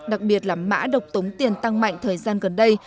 đặc biệt là mã độc tống tiền tăng mạnh thời gian gần đây